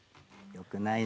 よくない。